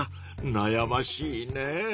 なやましいね。